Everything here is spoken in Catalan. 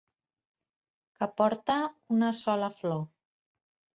Que porta una sola flor.